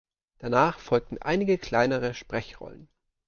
Danach folgten einige kleinere Sprechrollen.